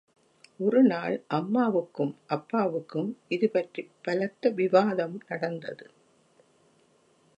ஒருநாள் அம்மாவுக்கும் அப்பாவுக்கும் இதுபற்றிப் பலத்த விவாதம் நடந்தது.